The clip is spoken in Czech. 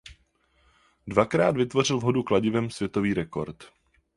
Dvakrát vytvořil v hodu kladivem světový rekord.